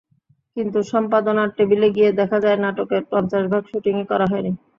কিন্তু সম্পাদনার টেবিলে গিয়ে দেখা যায় নাটকের পঞ্চাশ ভাগ শুটিংই করা হয়নি।